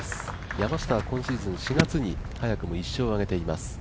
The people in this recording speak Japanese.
山下は今シーズン４月に早くも１勝を挙げています。